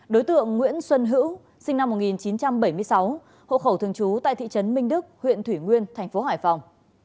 đối tượng nguyễn xuân hữu sinh năm một nghìn chín trăm bảy mươi sáu hộ khẩu thường trú tại thị trấn minh đức huyện thủy nguyên thành phố hải phòng